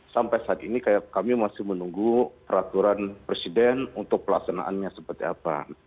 sampai saat ini kami masih menunggu peraturan presiden untuk pelaksanaannya seperti apa